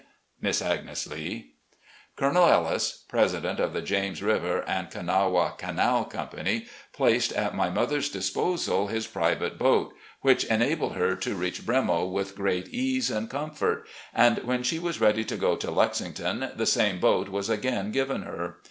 "Miss Agnes Lee." Colonel Ellis, President of the James River and Kanawha Canal Company, placed at my mother's disposal his 196 RECOLLECTIONS OF GENERAL LEE private boat, which enabled her to reach "Bremo" with great ease and comfort, and when she was ready to go to Lexington the same boat was again given her.